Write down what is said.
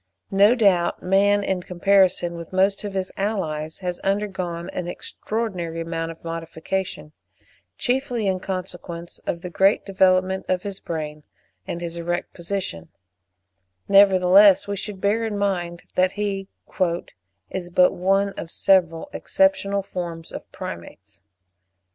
No doubt man, in comparison with most of his allies, has undergone an extraordinary amount of modification, chiefly in consequence of the great development of his brain and his erect position; nevertheless, we should bear in mind that he "is but one of several exceptional forms of Primates."